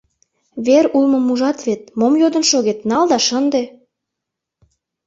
Вер улмым ужат вет, мом йодын шогет, нал да шынде!